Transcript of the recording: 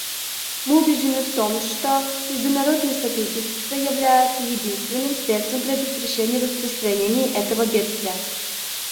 Мы убеждены в том, что международное сотрудничество является единственным средством предотвращения распространения этого бедствия.